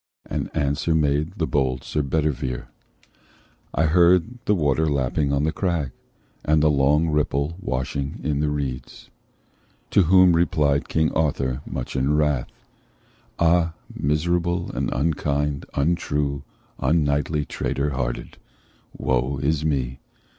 And answer made the bold Sir Bedivere: "I heard the water lapping on the crag, And the long ripple washing in the reeds." To whom replied King Arthur, much in wrath: "Ah, miserable and unkind, untrue, Unknightly, traitor hearted! Woe is me!